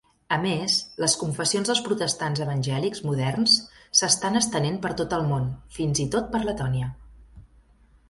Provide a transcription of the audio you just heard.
A més, les confessions dels protestants evangèlics moderns s'estan estenent per tot el món, fins i tot per Letònia.